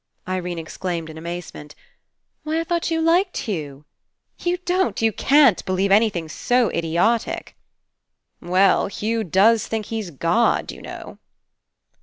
Irene exclaimed in amazement: "Why, I thought you liked Hugh ! You don't, you can't, believe anything so idiotic!" "Well, Hugh does think he's God, you know."